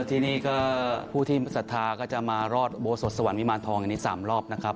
ที่นี่ก็ผู้ที่ศรัทธาก็จะมารอดโบสถสวรรวิมารทองอันนี้๓รอบนะครับ